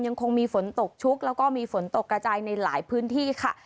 ยังคงมีฝนตกชุกแล้วก็มีฝนตกกระจายในหลายพื้นที่ค่ะ